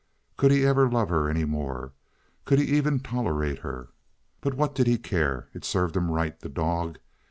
Could he ever love her any more? Could he even tolerate her? But what did he care? It served him right, the dog!